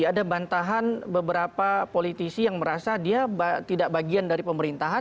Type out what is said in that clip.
ada bantahan beberapa politisi yang merasa dia tidak bagian dari pemerintahan